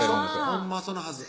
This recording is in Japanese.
ほんまはそのはず